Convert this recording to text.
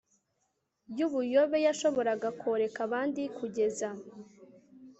yubuyobe yashoboraga koreka abandi kugeza